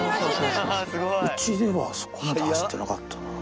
うちではそこまで走ってなかったな。